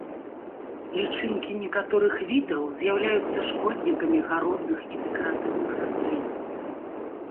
Лічынкі некаторых відаў з'яўляюцца шкоднікамі гародных і дэкаратыўных раслін.